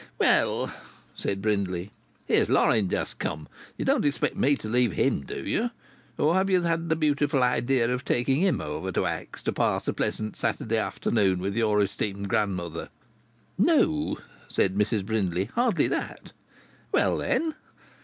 "Well," said Brindley. "Here Loring's just come. You don't expect me to leave him, do you? Or have you had the beautiful idea of taking him over to Axe to pass a pleasant Saturday afternoon with your esteemed grandmother?" "No," said Mrs Brindley. "Hardly that!" "Well, then?"